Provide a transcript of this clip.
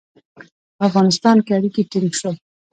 په افغانستان کې اړیکي ټینګ شول.